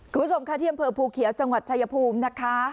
คุณผู้ชมค่ะที่อำเภอภูเขียวจังหวัดชายภูมินะคะ